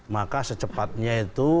maka secepatnya itu